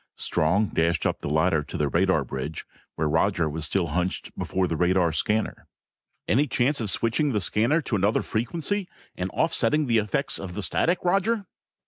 Strong dashed up the ladder to the radar bridge where Roger was still hunched before the radar scanner. "Any chance of switching the scanner to another frequency and offsetting the effects of the static, Roger?"